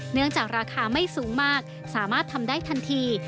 เนื่องจากราคาไม่สูงมากสามารถทำได้ทันที